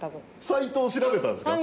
サイトを調べたんですか？